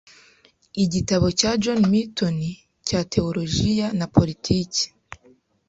Igitabo cya John Milton cya tewolojiya na politiki